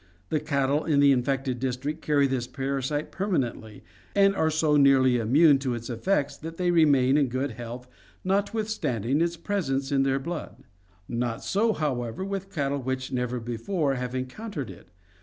The cattle in the infected district carry this parasite permanently, and are so nearly immune to its effects that they remain in good health, notwithstanding its presence in their blood. Not so, however, with cattle which never before have encountered it.